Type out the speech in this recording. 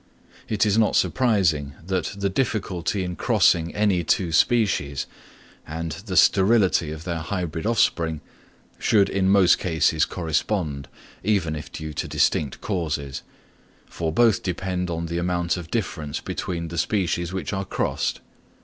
It is not surprising that the difficulty in crossing any two species, and the sterility of their hybrid offspring, should in most cases correspond, even if due to distinct causes: for both depend on the amount of difference between the species which are crossed.